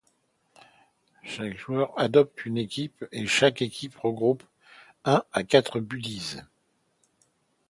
Chaque joueur contrôle une équipe et chaque équipe regroupe un à quatre buddies.